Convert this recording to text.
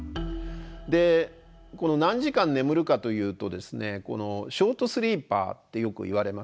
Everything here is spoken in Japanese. で何時間眠るかというとですねショートスリーパーってよくいわれますね。